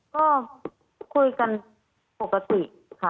ก็คุยกันปกติค่ะ